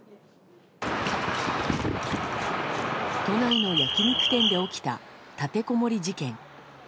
都内の焼き肉店で起きた立てこもり事件。